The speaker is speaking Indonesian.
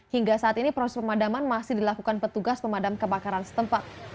hingga saat ini proses pemadaman masih dilakukan petugas pemadam kebakaran setempat